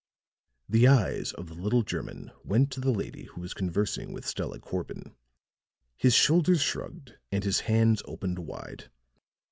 The eyes of the little German went to the lady who was conversing with Stella Corbin. His shoulders shrugged and his hands opened wide.